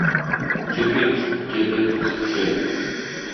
Pasahitza gogoratzeko esaldiak ere badu bere garrantzia.